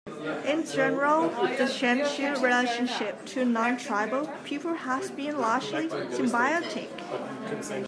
In general, the Chenchu relationship to non-tribal people has been largely symbiotic.